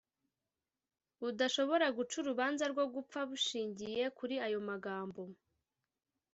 budashobora guca urubanza rwo gupfa bushingiye kuri ayo magambo